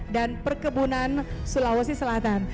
dan perkebunan sulawesi selatan